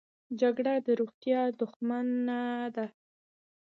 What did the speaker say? جګړه د روغتیا دښمنه ده